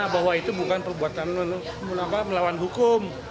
bahwa itu bukan perbuatan melawan hukum